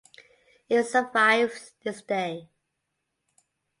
It survives this day.